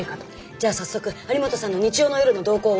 じゃあ早速有本さんの日曜の夜の動向を。